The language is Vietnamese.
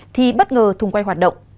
thì bất ngờ thùng quay hoạt động